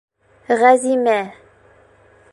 Ғәзимә: